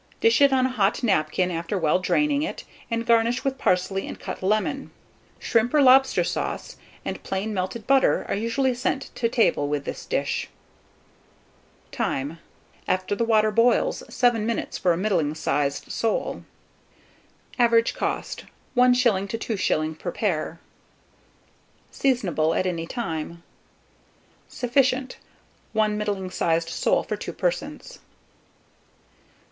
Dish it on a hot napkin after well draining it, and garnish with parsley and cut lemon. Shrimp, or lobster sauce, and plain melted butter, are usually sent to table with this dish. Time. After the water boils, 7 minutes for a middling sized sole. Average cost, 1s. to 2s. per pair. Seasonable at any time. Sufficient, 1 middling sized sole for 2 persons.